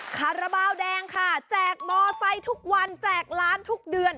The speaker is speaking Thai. คาราบาลแดงค่ะแจกมอไซค์ทุกวันแจกล้านทุกเดือน